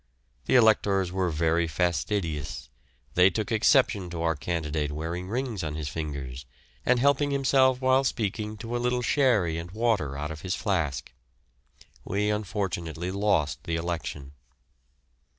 The electors were very fastidious; they took exception to our candidate wearing rings on his fingers, and helping himself while speaking to a little sherry and water out of his flask. We unfortunately lost the election.